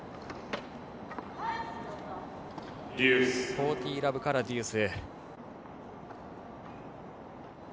４０−０からデュース。